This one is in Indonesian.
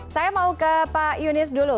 saya mau ke pak yunis dulu